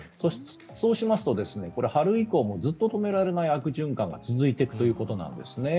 そうしますと春以降もずっと止められない悪循環が続いていくということなんです。